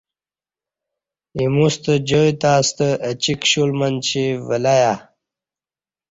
ایمُوستہ جائی تہ ستہ اہ چی کشول منچی ولہ یہ